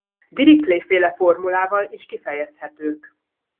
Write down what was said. Dirichlet-féle formulával is kifejezhetők.